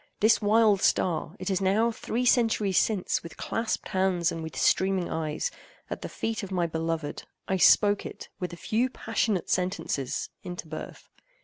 This wild star—it is now three centuries since, with clasped hands, and with streaming eyes, at the feet of my beloved—I spoke it—with a few passionate sentences—into birth.